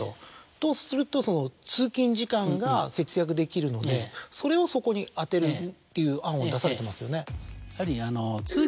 とすると通勤時間が節約できるのでそれを。っていう案を出されてますよね。